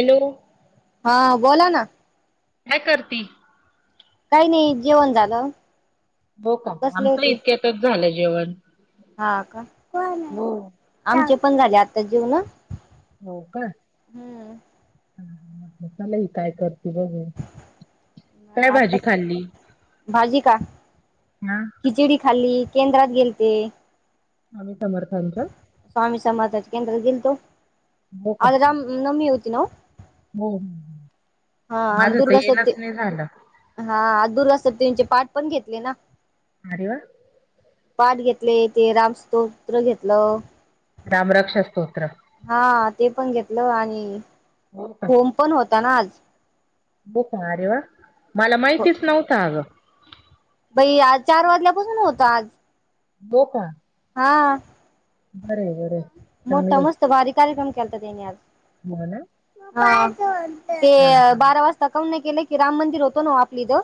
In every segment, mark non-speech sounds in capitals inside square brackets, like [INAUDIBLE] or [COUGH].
Hello हा बोला ना काय करती? काही नाही जेवण झालं. हो का बसले आमच होते इतक्यातच झालं जेवण. हा का, हो. आमचे पण झाले आत्ताच जेवण. हो का, हम्म म्हटलं चला ही काय करते बघू. नाही काय आता भाजी खाल्ली? भाजी का आ खिचडी खाल्ली, केंद्रात गेलते. स्वामी समर्थांच्या स्वामी समर्थांच्या केंद्रात गेलतो, हो का आज रामनवमी होती न ओ? हो हा माझ आणि तर दुर्गा येणच नाही सप्तमी झालं. हा दुर्गा सपतींचे पाठ पण घेतले ना. अरे व्वा. पाठ घेतले ते राम स्तोत्र घेतलं. रामराक्ष स्तोत्र हा ते पण घेतलं आणि हो होम पण होता ना आज खूप भारी व्वा, मला माहितीच नव्हत अग बाई आज चार वाजल्यापासून होतं आज बो पा हा. बरय, बरय. मोठा मस्त भारी कार्यक्रम केलात त्यांनी हो ना आज ते हा अ हा बारा वाजता काऊ नाही केलं की राम मंदिर होतो ना आपल्या इथ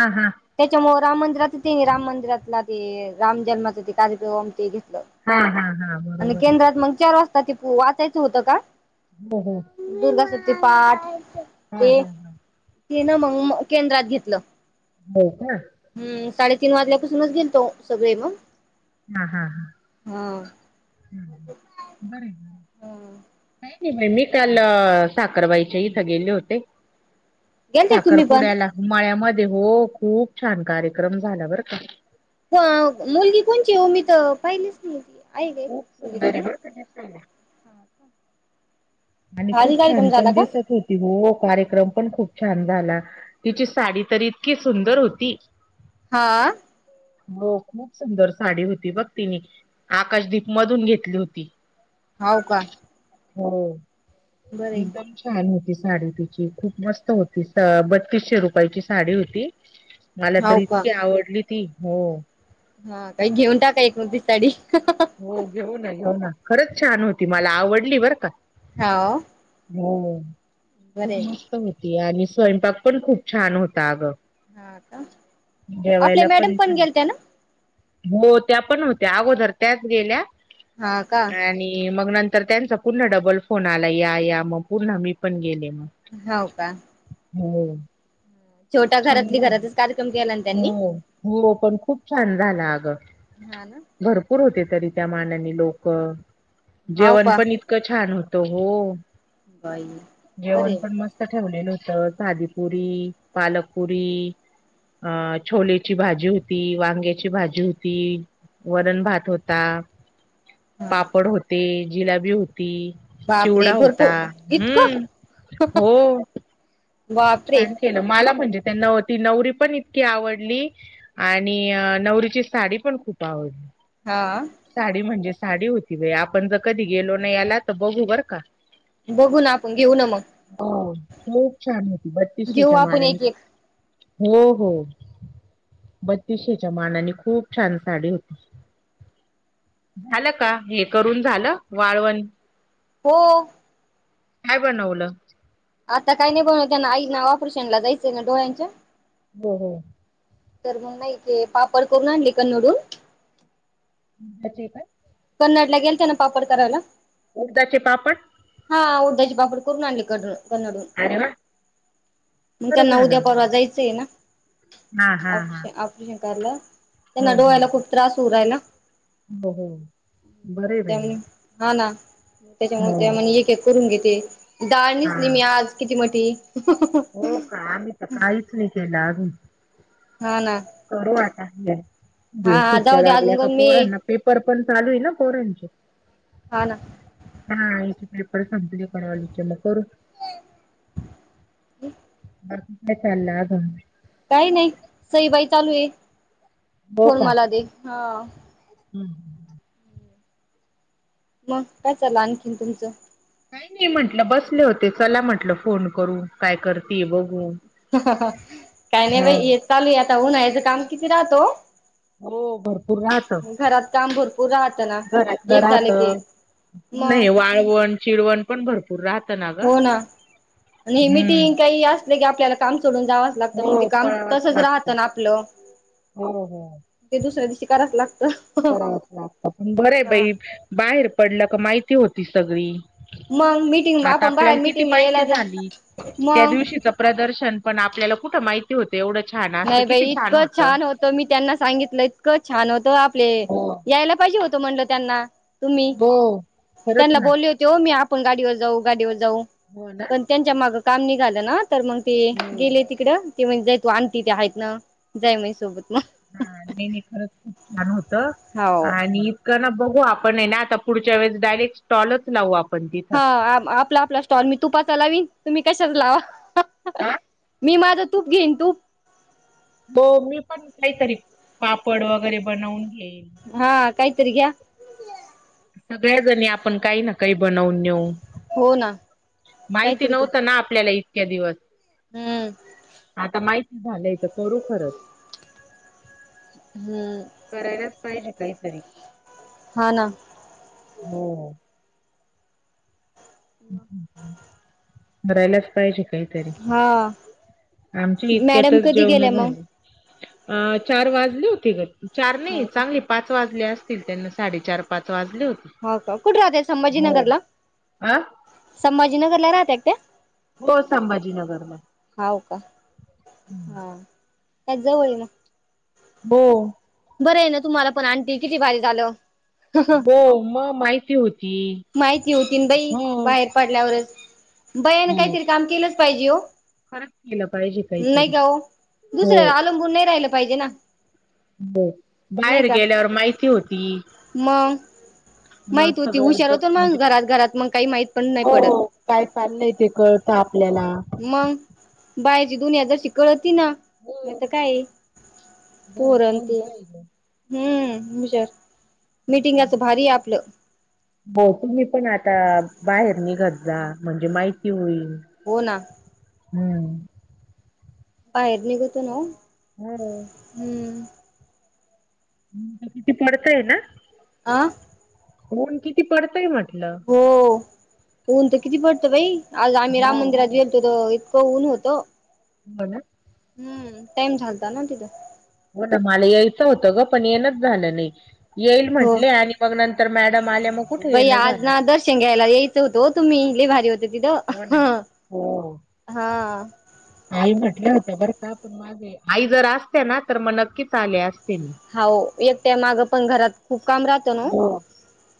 हा हा. त्याच्यामुळ राम मंदिराच ते राम मंदिरातला ते राम जन्माचा ते कार्यक्रम ते घेतलं. हा हा हा. आणि बरोबर केंद्रात मग चार वाजता ते पो वाचायचं होतं का? हो हो दुर्गासती पाठ हा ते हा हा तेना मंग केंद्रात घेतलं. हो का. हम्म, साडेतीन वाजल्यापासूनच गेल तो सगळे मंग हा हा हा. [UNINTELLIGIBLE] [UNINTELLIGIBLE] काही मी काल अ साखरबाईच्या इथं गेले होते. गेलते तुम्ही पण साखरपुड्याला मळ्यामध्ये हो खूप छान कार्यक्रम झाला बरं का. हो मुलगी कोणची हो मी तर पाहिलीच नाही ती आहे का खूप मुलगी सुंदर आहे त्यांना? बरं का दिसायला. आणि भारी खूप छान कार्यक्रम झाला पण का? दिसत होती हो, कार्यक्रम पण खूप छान झाला. तिची साडी तर इतकी सुंदर होती. हा. हो खूप सुंदर साडी होती बघ तिनी आकाशदीप मधून घेतली होती. हाव का. हो, बरे एकदम छान होती साडी तिची खूप मस्त होती सा बत्तीसशे रुपयाची साडी होती मला तर हाव का इतकी आवडली ती हो हा ताई घेऊन टाका एकोणतीस साडी हो घेऊ ना घेऊ ना, खरंच छान होती मला आवडली बरं का. हाव. हो, खूप बरे मस् स्त होती आणि स्वयंपाक पण खूप छान होता अगं. हा का, आपल्या जेवायला मॅडम पण छान गेलत्या ना? हो, त्या पण होत्या अगोदर त्याच गेल्या. हा का आणि मग नं तर त्यांचा पुन्हा डबल फोन आला या या मग पुन्हा मी पण गेले म. होव का हम्म छोटा घरातली घरातच कार्यक्रम केला ना त्यांनी हो हो पण खूप छान झाला अगं हा ना भरपूर होते तरी त्या मानानी लोकं हाव जेवण का पण इतक इतक छान होत हो बाई जेवण बरे पण मस्त ठेवलेल होत साधीपुरी, पालकपुरी अ छोलेची भाजी होती वांग्याची भाजी होती वरण-भात होता हा का पापड होते जिलाबी होती बापरे चिवडा भरपूर होता इतकं हम्म हो बापरे छान केलं मला म्हणजे त्या ती नवरी पण इतकी आवडली आणि अ नवरीची साडी पण खूप आवडली हा साडी म्हणजे साडी होती बाई आपण जर कधी गेलो नाही याला तर बघू बर का बघू ना आपण घेऊ ना मग हो खूप छान होती घेऊ बत्तीशेच्या आपण मानाणी एक एक हो-हो बत्तीशेच्या मानाने खूप छान साडी होती झालं का हे करून झालं वाळवण हो काय बनवल आता काय नाही बनवलं त्यांना आईंना ऑपरेशन ला जायचय ना डोळ्यांच्या हो- हो तर मग नाही तेे पापड करून आणले कन्नडून खचेय का कन्नड ला गेलत्या ना पापड करायला उडदाचे पापड हा उडदाचे पापड करून आणली कण कन्नड वरुन अरे वा मग बरं त्यांना झालं उद्या मग. परवा जायचं आहे ना हा हा हा ऑपरेशन- ऑपरेशन करायला त्यांना हो हो डोळ्याला खूप त्रास होऊ राहिला हो हो बरं आहे त्या बाई मग. हा ना त्याच्यामुळे त्या हो मने एक-एक करून घेते दाळ हा नेसली मी आज किती मोठी हो का आम्ही तर काहीच नाही केलं अजून हा ना करू आता एक दिवस हा जाऊ सुट्या दे लागल्या अजून का पण मी पोरांना पेपर पण चालू आहे ना पोरांचे हा ना हा यांचे पेपर संपले परवा दिवशीच्याला करू ह. अजून काय चाल अजून. काही नाही सई बाई चालू आहे फोन मला दे हा हम मग काय चालल आणखीन तुमच काही नाही म्हटलं बसले होते चला म्हटलं फोन करू काय करतेय बघू काही नाही हा बाई हेच चालूय आता उन्हाळ्याचे काम किती राहत ओ हो भरपूर राहत घरात काम भरपूर राहत ना घरातलं एक झालं की राहत. एक नाही, वाळवण चिडवण पण भरपूर राहतं ना. ग. हो ना,, आणि हम्म मिटिंग काही अस ली की आपल्याला काम सोडून जावंच लागतं, मग ते हो काम पळावाच तसच लागत राहतं ना आपलं. हो हो ते दुसऱ्या दिवशी करायच लागतं. करावच लागतं, पण बरंय हा बाई, बाहेर पडलं का माहिती होती सगळी. मग मीटिंग आता आपण आपल्याला बाहेर किती मिटिंगला माहिती यायला जाय झाली, त्या मग दिवशीच प्रदर्शन, पण आपल्याला कुठं माहिती होत, एवढं छान असतं, किती छान होतं. तर मी त्यांना सांगितलं इतकं छान होतं, आपले हो यायला पाहिजे होतं म्हणलं त्यांना. तुम्ही, हो खरंच त्यांना ना बोलले होते हो मी आपण गाडीवर जाऊ, गाडीवर जाऊ, हो ना. पण त्यांच्या मागं काम निघालं ना तर मग ते हो. गेले तिकडं, ते म्हणते तो आण तिथे आहेत ना, जाय माय सोबत मग. हा नाही नाही खरच खूप छान होतं, हो आणि क ना बघू आपण हे ना, आता पुढच्या वळेस डायरेक्ट स्टॉलच लावू आपण. तिथं हा आम आपला आपला स्टॉल, मी तुपाचा लावीन, तुम्ही कशान लावा. हा मी माझं तूप घेईन तूप. बर मी पण काहीतरी, पापड वगैरे बनवून घेईन. हा कायतरी घ्या. सगळ्याजणी आपण काही ना काही बनवून नेऊ. हो ना. माहिती काहीतरी नव्हतं ना आपल्याला इतके दिवस. हम्म. आता माहिती झालंय तर करू खरंच. हम्म. करायलाच पाहिजे काहीतरी. हा ना. हो. मग. करायलाच पाहिजे. हा. आमचे मॅडम इतक्यातच कधी जेवणं गेल्या मग झाली. अ चार वाजली होती काय, चार नाही हो का चांगली, पाच वाजले असतील त्यांना, साडेचार पाच वाजले होते. हो का, कुठं राहताय हो संभाजीनगरला, आ संभाजी नगरला राहतायत ते. हो संभाजीनगरला हाव का, हा काय जवळ आहे हॅलो बरं आहे ना तुम्हाला पण आंटी, किती भारी झालं. ह ह हो मग माहिती होती. माहिती होतीन बाई, हो. बाहेर पडल्यावरच, बायाना हो काहीतरी काम केलंच पाहिजे ओ. खरंच केलं पाहिजे नाही काहीतरी का ओ, हो दुसऱ्यावर अवलंबून नाही राहिलं पाहिजे ना. हो, नाही बाहेर का गेल्यावर माहिती होती. मग, मग माहिती होती सगळं हुशार जग होतो मग, म्हणजे घरात घरात मग काही माहित पण नाही पडत. हो काय चाललंय ते कळतं आपल्याला. मंग, बाह्येरची दुनिया जशी कळती ना. नाही हो तं काये, पोरं घरात अं राहून ते. काय ग. हुं विचार मीटिंगाचं भारीये आपलं. बॉ तुम्ही पण आता बाहेर निघत जा, म्हणजे माहिती होईल. हों ना. हुं. बाहेर निघतो नावो हॅलो हुंम ऊन तं किती पडतयं ना? आं ऊन किती पडतंय म्हटलं. हो ऊन तर किती पडतं बई, आज आम्ही राम हो. मंदिरात गेलतो तर इ तं ऊन होतं. [UNINTELLIGIBLE] हुं टाईम झालता ना तिथं. हो ना मला यायचं होतं गं, पण येनच झालं नही. येईल हो म्हंटले आणि मग नंतर मॅडम आल्या मग कुठे बाई येणं आज झालं. ना दर्शन घ्यायला यायचं होतं ओ तुम्ही, लई भारी होत तिथं. हो ना. हं हो हां आई म्हटल्या होत्या बरं का, पण मागे. आई जर असत्या ना, तर मग नक्कीच आले असते मी. हाओ एकट्यानं मागं पण घरात खूप काम राह हो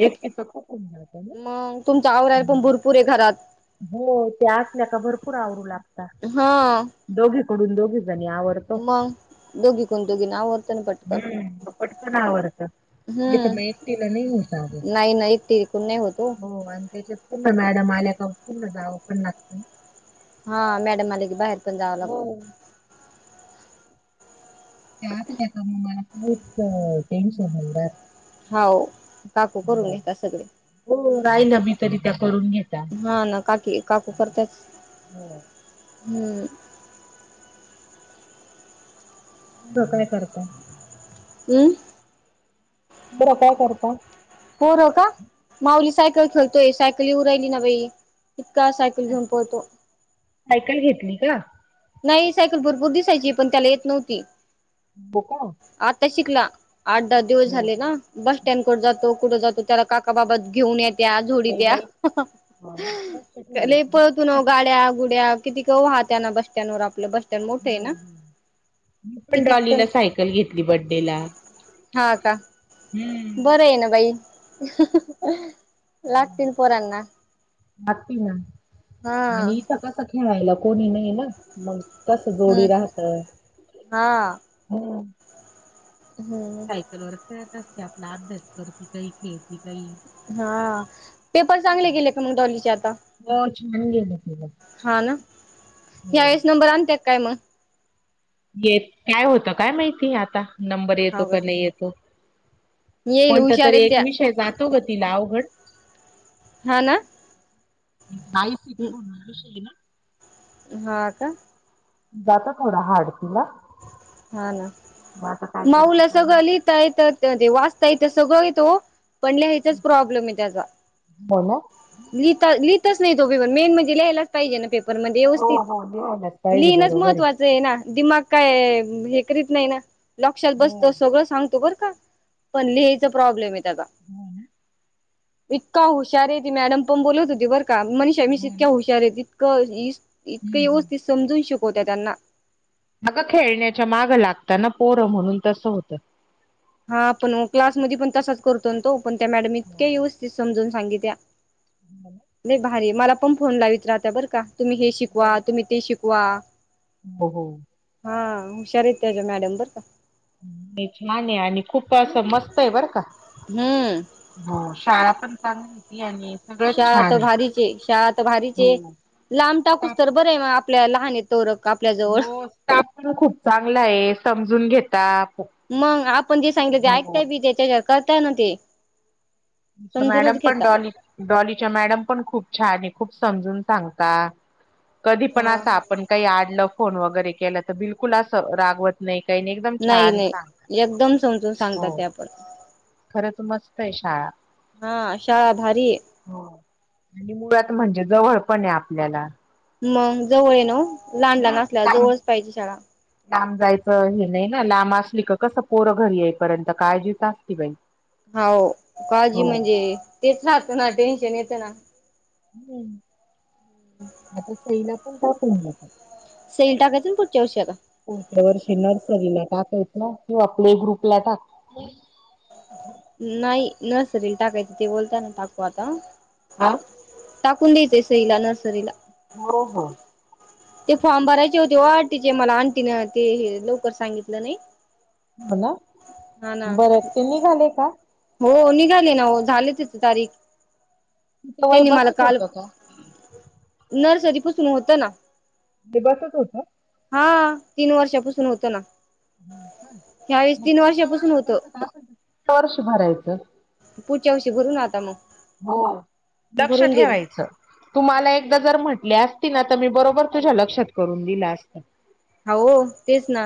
एकटीचं खूप होऊन जातं. मंग तुमचं आवरायला पण भरपूरये घरात. हो त्या असल्या का भरपूर आवरू लागता. दोघीकडून दोघी जणी आवर मंग दोघी कून दोघीना आवर हुं पटकन आवरतं. नहीतं मं हम्म एकटीला नाही होत आगं. नाही नाही एकटी कोण नाही होत ओ हो आणि त्याच्यात पुन्हा मॅडम आल्या का, पुन्हा जावं पण लागतं ना. हां मॅडम आल्या की बाहेर पण जावं लागतं ना. हो त्या असल्या का मं मला खूप टेंशन नही राहतं. हाव काकू करून घेता सगळे. हो राहिलं मी, तरी त्या करून घेता. हा नां काकी काकू करत्याच. हुं पुढं काय करता? अं? पोरं काय करता? पोरं का? माऊली सायकल खेळतोय, सायकली येउ राहिली ना बई. इतका सायक कि धूम पळतो. सायकल घेतली का? नायी सायकल भरपूर दिसायची, पण त्याला येत नव्हती. बोका आता शिकला, आठ दहा दिवस झाले ना. बस स्टँडकड जातो कुठे जातो, त्याला काकाबाबात घेऊन येत त्या बाई झोडीत्या, बाई लक्ष लयी ठेवायचं मी पण पळतोनावं आता गाड्या गुड्या कितीक वाहत्यान बस स्टँड वर आपलं बस स्टँड मोठं आहे ना मी पण कितीक तर डॉलीला सायकल घेतली बड्डे ला. हा का, बरंय न बाई. लागतील पोरांना लागती ना, हा आणि इथं कस खेळायला कोणी नाहीये. मंग कसं हम्म गोडी राहत. हा ह, हम्म, [UNINTELLIGIBLE] आपला अभ्यास करती काय के ती काही हा, पेपर चांगले गेले का मंग डॉलीचे आता. पोर्च छान गेले. हा ना, ह्यावेळेस नंबर आणत्यात काय मग. येत काय होतं काय माहिती आता? नंबर हा येतो व का नाही येतो. येईल कोणता हुशार तरी आहेत एक त्या विषय जातो ग तिला अवघड. हा ना, काम हा का, जातो थोडा हार्ड तिला. हा न, मग आता काय करते माऊला काय सगळ माहिती. लीक तायेत त.. वाचता येत सगळं येत वो. पण लिहायचाच प्रॉब्लेम आहे त्याजा. हो ना, लिहिता-लिहितस नाही तो पेपर मेन म्हणजे लिहायलाच पाहिजे ना पेपर. पण म्हणजे हो व्यवस्थित, हो लिहायलाच पाहिजे लिहिणच बरोबर आहे. महत्त्वाचं ते ना दिमाग काय हे करीत नाही ना लक्षात हो बसतं सगळं सांगतो बर का? पण लिहायचा प्रॉब्लेम आहे त्याचा. हो ना. इतका हुशार आहे. ती मॅडम पण बोलत होती बर का, मनीषा मिस हो इतक्या ना हुशार आहेत इतकं इतकं हम्म हम्म. व्यवस्थित समजून शिकवत्या त्यांना. अग खेळण्याच्या माग लागता ना पोरं म्हणून तस होतं. हा पण क्लासमध्ये पण तसाच करतोन तो. पण त्या मॅडम इतक्या व्यवस्थित समजून सांगित्या. हाना, लय भारी मला पण फोन लावीत राहता बरं का, तुम्ही हे शिकवा तुम्ही ते शिकवा. बघू हा हुशार आहेत त्याच्या मॅडम बर का. हे छान आणि खूप असं मस्त हे. बरं का, हम्म, ह, शाळा पण चांगली आणि सगळंच शाळा छान त आहे. भारीच ये, शाळा त भारीच ये हो. लांब टाकूस स्टाफ तर बर हे आपल्या लहानीत. तोरक आपल्या जवळ हो स्टाफ पण खूप चांगला आहे समजून घेता. खुप मग आपण जे सांगितले ते ऐकताय बी त्याच्या करताय ना ते. मॅडम समजूनच पण घेता. डॉली डॉलीच्या मॅडम पण खूप छान आहे खूप समजून सांगता. कधी पण आ हा ताप पण काही आडलं फोन वगैरे केलं त बिलकुल असं रागवत नाही काही नाही. एकदम नाही छान सांगता नाही एकदम समजून सांगतात हो त्या पण. खरंच मस्त आहे शाळा. हा शाळा भारी ये. हो आणि मुळात म्हणजे जवळ पण आहे आपल्याला. मग जवळ ये ना वो लहान लहान हम्म, असल्या लांब जवळच पाहिजे शाळा. लांब जायचं हे नाही ना लांब असली का कसं पोरं घरी येईपर्यंत काळजीच असती बाई. हो काळजी हो म्हणजे तेच राहतं ना टेन्शन येतं ना. हम् आता सईला पण टाकूनगेला. सेईला टाकायच ना पुढच्या वर्षी आता. पुढच्या वर्षी नर्सरीला टाकायच किंवा पल्ये ग्रुपला टाक. नाही नर्सरीला टाकायच ते बोलतात टाकू आता. हां.. टाकून देयाचं सईला नर्सरीला. हो हो.. ते फॉर्म भरायचे होते व आंटीचे मला अंटीन ते लवकर सांगितलं नाही. हो ना हा ना... बरं ते निघाले का हो निघाली ना ओ झाली फिक्स तारीख. तिचं वय त्यांनी मला बसत काल होतं का नर्सरी पुसून होत ना. ते बसत होत. हा, तीन वर्षापासून होतं ना. ह्यावेळेस मग तीन पुढच्या वर्षापासून वर्ष होतं वर्ष भरायचं. पुढच्या वर्षी भरू ना आता मग हो, लक्ष भरून देईल ठेवायचं. तुम्हाला एकदा जर म्हटली असती ना तर मी बरोबर तुझ्या लक्षात करून दिलं असत. आ हो, तेच ना.